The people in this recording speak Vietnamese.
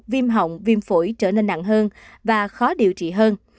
viêm họng viêm phổi trở nên nặng hơn và khó điều trị hơn